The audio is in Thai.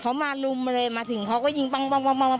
เขามารุมเลยมาถึงเขาก็ยิงปั๊งเลยค่ะรัวเลยค่ะ